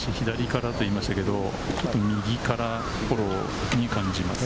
先ほど、私、左からと言いましたけれど、右からフォローに感じます。